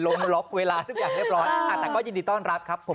ล็อกเวลาทุกอย่างเรียบร้อยแต่ก็ยินดีต้อนรับครับผม